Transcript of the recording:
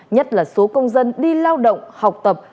nhất là số công dân đi lao động học tập